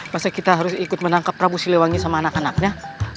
masa kita harus ikut menangkap prabu siliwangi sama anak anaknya